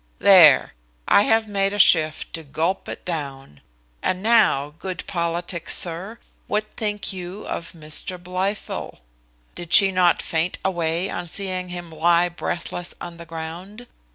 There I have made a shift to gulp it down. And now, good politic sir, what think you of Mr Blifil? Did she not faint away on seeing him lie breathless on the ground?